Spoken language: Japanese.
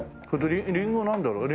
リンゴなんだろう？